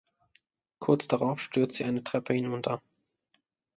Kurz darauf stürzt sie eine Treppe hinunter.